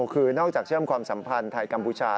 คือนอกจากเชื่อมความสัมพันธ์ไทยกัมพูชา